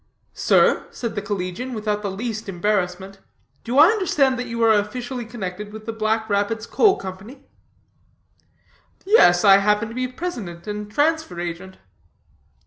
"Sir," said the collegian without the least embarrassment, "do I understand that you are officially connected with the Black Rapids Coal Company?" "Yes, I happen to be president and transfer agent."